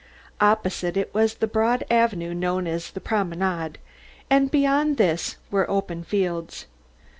Opposite it was the broad avenue known as the Promenade, and beyond this were open fields.